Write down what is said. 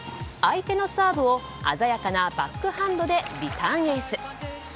相手のサーブを鮮やかなバックハンドでリターンエース。